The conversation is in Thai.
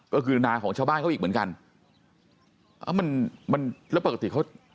ก็คือนาของชาวบ้านเขาอีกเหมือนกันอ้าวมันมันแล้วปกติเขา